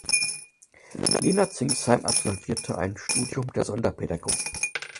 Lena Zingsheim absolvierte ein Studium der Sonderpädagogik.